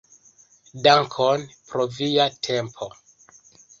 Dankon pro via tempo.